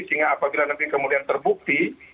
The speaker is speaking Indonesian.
sehingga apabila nanti kemudian terbukti